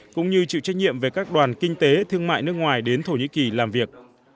cũng như chịu trách nhiệm về các đoàn kinh tế thương mại nước ngoài đến thổ nhĩ kỳ làm việc